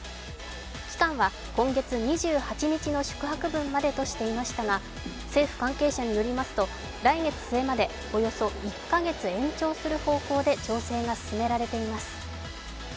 期間は今月２８日の宿泊分までとしていましたが、政府関係者によりますと来月末までおよそ１カ月延長する方向で調整が進められています。